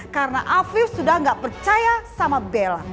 karena afif sudah nggak percaya sama bella